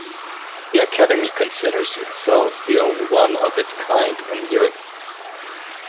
The academy considers itself the only one of its kind in Europe.